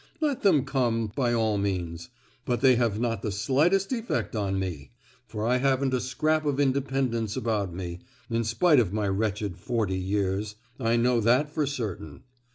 Let them come, by all means; but they have not the slightest effect on me! for I haven't a scrap of independence about me, in spite of my wretched forty years, I know that for certain.